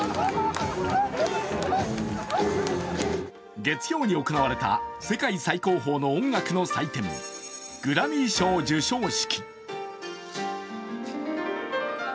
月曜に行われた世界最高峰の音楽の祭典、グラミー賞授賞式。